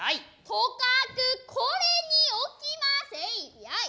とかくこれに置きませいヤイ。